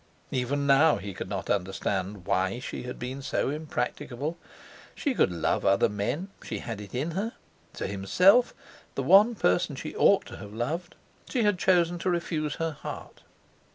Even now he could not understand why she had been so impracticable. She could love other men; she had it in her! To himself, the one person she ought to have loved, she had chosen to refuse her heart.